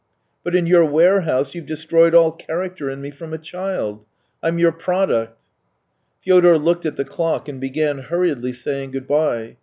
But in your warehouse you've destroyed all character in me from a child ! I'm your product." Fyodor looked at the clock and began hurriedly saying good bye.